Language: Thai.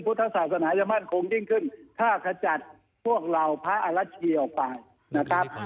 พุทธศาสนาจะมั่นคงยิ่งขึ้นถ้าขจัดพวกเหล่าพระอรัชชีออกไปนะครับ